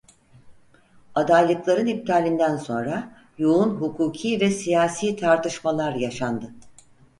Adaylıkların iptalinden sonra yoğun hukuki ve siyasi tartışmalar yaşandı.